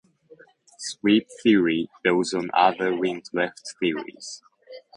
Sweep theory builds on other wing lift theories.